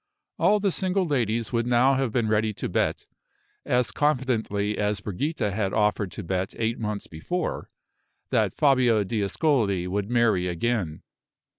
All the single ladies would now have been ready to bet, as confidently as Brigida had offered to bet eight months before, that Fabio d'Ascoli would marry again.